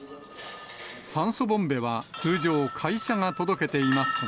酸素ボンベは通常、会社が届けていますが。